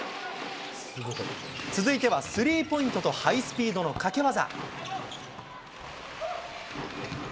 続いてはスリーポイントとハイスピードの掛け技。